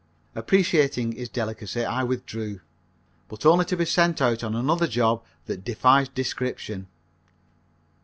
Appreciating his delicacy I withdrew, but only to be sent out on another job that defies description.